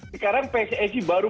sekarang pssc baru